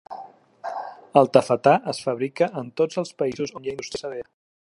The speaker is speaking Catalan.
El tafetà es fabrica en tots els països on hi ha indústria sedera.